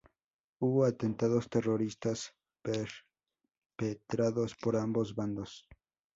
Hubo atentados terroristas perpetrados por ambos bandos.